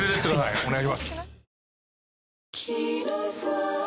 お願いします。